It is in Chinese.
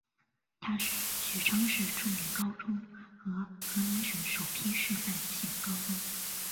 它是许昌市重点高中和河南省首批示范性高中。